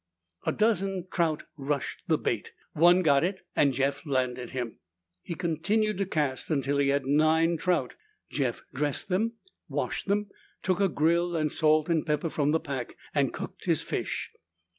A dozen trout rushed the bait. One got it, and Jeff landed him. He continued to cast until he had nine trout. Jeff dressed them, washed them, took a grill and salt and pepper from the pack, and cooked his fish.